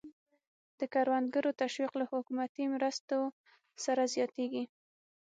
د کروندګرو تشویق له حکومتي مرستو سره زیاتېږي.